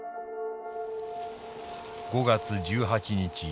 「５月１８日。